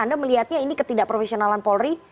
anda melihatnya ini ketidakprofesionalan polri